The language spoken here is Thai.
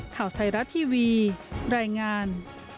ข่าวไทยรัฐทีวีรายงาน